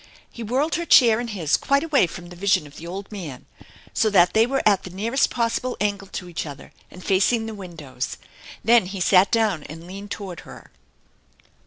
He whirled her chair and his quite away from the vision of the old man, so that they were at the nearest possible angle to each other, and facing the windows. Then he sat down and leaned toward her.